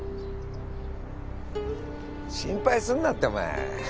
心配すんなってお前。